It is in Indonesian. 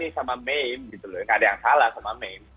ya kami sama mem gitu loh gak ada yang salah sama mem